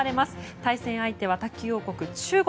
対戦相手は卓球王国